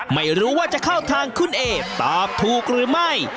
ไม่รู้ว่าจะเข้าทางคุณเอตอบถูกหรือไม่